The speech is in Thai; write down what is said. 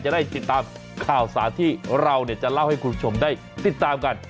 จะได้ติดตามข่าวสารที่เราจะเล่าให้คุณผู้ชมได้ติดตามกัน